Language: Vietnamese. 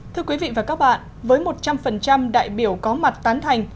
thưa quý vị và các bạn với một trăm linh đại biểu có mặt tán thành